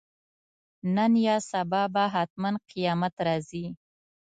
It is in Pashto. نن یا سبا به حتماً قیامت راځي.